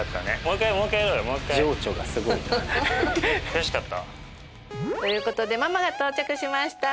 悔しかった？ということでママが到着しました！